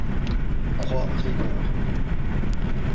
Croix River.